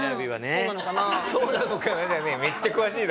そうなのかなぁ。